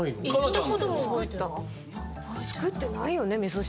作ってないよね味噌汁。